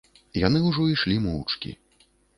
Яны ўжо ішлі моўчкі.